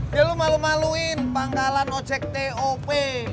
ya lu malu maluin panggalan ojek t o p